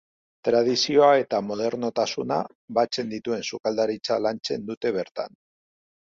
Tradizioa eta modernotasuna batzen dituen sukaldaritza lantzen dute bertan.